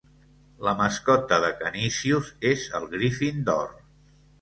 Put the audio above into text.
La mascota de Canisius és el Griffin d'or.